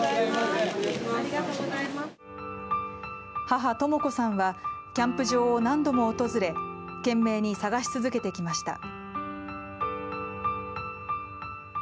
母・とも子さんはキャンプ場を難度も訪れ懸命に捜し続けてきました。